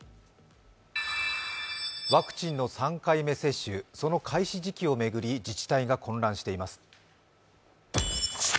ワクチンの３回目接種、その開始時期を巡り自治体が混乱しています。